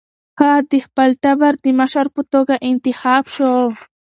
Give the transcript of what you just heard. هغه د خپل ټبر د مشر په توګه انتخاب شو.